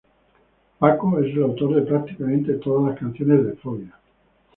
Paco es el autor de prácticamente todas las canciones de Fobia.